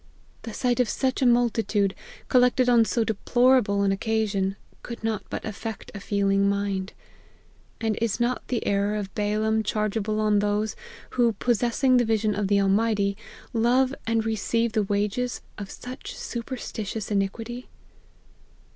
The sight of such a multitude, collected on so deplorable an occasion, could not but affect a feeling mind. And is not the error of Balaam chargeable on those, who, possess ing the vision of the Almighty, love and receive the wages of such superstitious iniquity